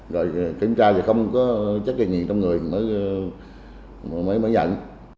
rồi kiểm tra về không có chất gây nghiện trong người mới nhận